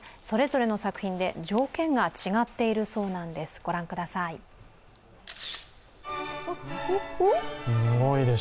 それぞれの作品で条件が違っているそうなんです、御覧ください。